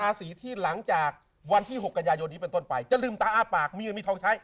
สีที่หลังจากวันที่๖กันยายนนี้เป็นต้นไปจะลืมตาอ้าปากมีเงินมีทองใช้